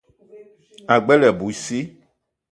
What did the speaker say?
O gbele abui sii.